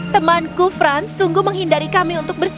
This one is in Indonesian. temanku franz sungguh menghindari kami untuk bersih